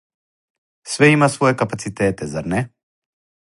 Све има своје капацитете, зар не?